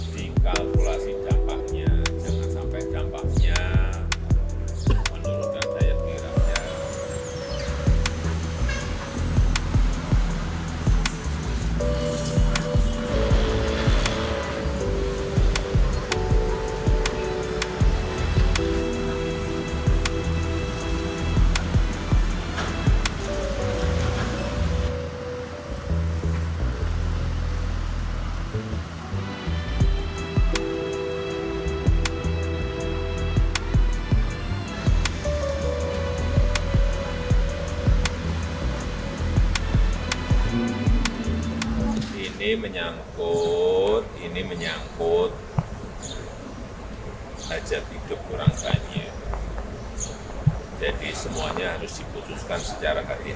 dikalkulasi campaknya jangan sampai campaknya menurunkan daya kehidupannya